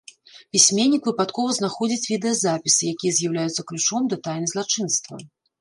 Пісьменнік выпадкова знаходзіць відэазапісы, якія з'яўляюцца ключом да тайны злачынства.